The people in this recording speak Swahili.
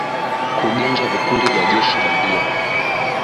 kugenja vikundi vya kijeshi bandia